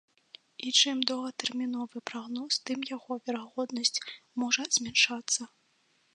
І чым доўгатэрміновы прагноз, тым яго верагоднасць можа змяншацца.